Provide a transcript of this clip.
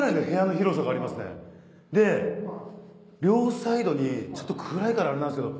で両サイドにちょっと暗いからあれなんですけどベッドが。